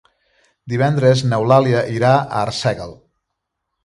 Divendres n'Eulàlia irà a Arsèguel.